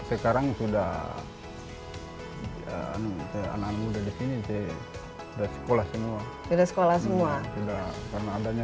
sekarang sudah anak muda di sini sih udah sekolah semua tidak sekolah semua sudah karena adanya